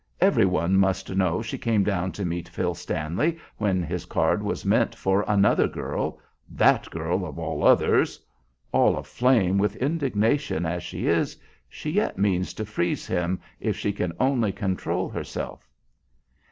Every one must know she came down to meet Phil Stanley when his card was meant for another girl, that girl of all others! All aflame with indignation as she is, she yet means to freeze him if she can only control herself.